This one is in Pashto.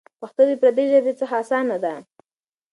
پښتو د پردۍ ژبې څخه اسانه ده.